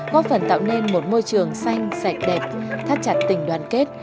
góp phần tạo nên một môi trường xanh sạch đẹp thắt chặt tình đoàn kết